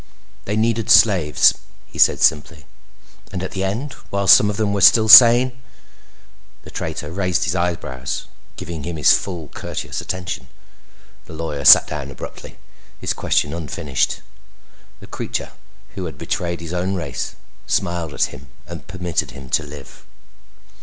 "They needed slaves," he said simply. "And at the end, while some of them were still sane?" The traitor raised his eyebrows, giving him his full courteous attention. The lawyer sat down abruptly, his question unfinished. The creature who had betrayed his own race smiled at him and permitted him to live.